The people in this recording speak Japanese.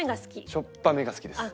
しょっぱめが好きです。